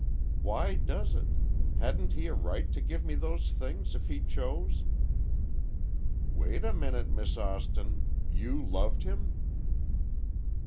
"Why does it? Hadn't he a right to give me those things if he chose?" "Wait a minute, Miss Austin. You loved him?"